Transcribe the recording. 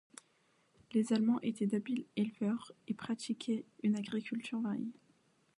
Les Allemands étaient d’habiles éleveurs et pratiquaient une agriculture variée.